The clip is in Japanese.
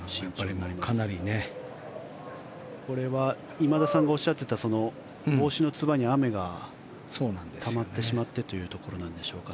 これは今田さんがおっしゃっていた帽子のつばに雨がたまってしまってというところなんでしょうか。